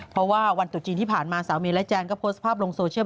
เพราะว่าวันตุจีนที่ผ่านมาสาวเมย์และแจนก็โพสต์ภาพลงโซเชียล